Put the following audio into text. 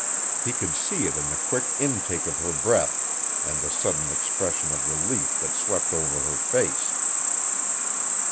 He could see it in the quick intake of her breath and the sudden expression of relief that swept over her face.